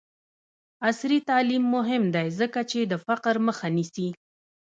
عصري تعلیم مهم دی ځکه چې د فقر مخه نیسي.